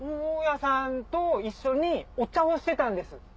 大家さんと一緒にお茶をしてたんです。